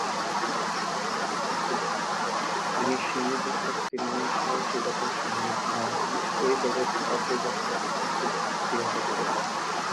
তিনি সীমিত শক্তি নিয়েই সাহসিকতার সঙ্গে সেনাবাহিনীর ওই দলের অগ্রযাত্রা প্রতিহত করেন।